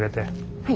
はい。